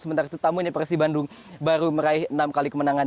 sementara itu tamunya persibandung baru meraih enam kali kemenangan